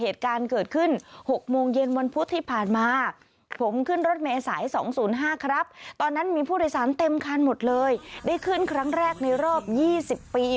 ตอนนั้นมีผู้โดยสารเต็มคันหมดเลยได้ขึ้นครั้งแรกในรอบ๒๐ปี